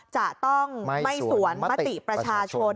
จะต้องไม่สวนมติประชาชน